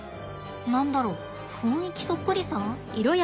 何だろ雰囲気そっくりさん？